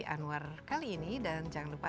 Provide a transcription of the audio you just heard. anwar kali ini dan jangan lupa